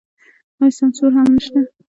آیا سانسور هم نشته؟